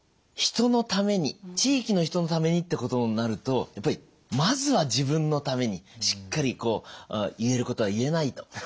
人のために地域の人のためにってことになるとやっぱりまずは自分のためにしっかり言えることは言えないと。